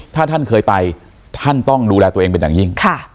ถ้าท่านเคยไปท่านต้องดูแลตัวเองเป็นอย่างยิ่ง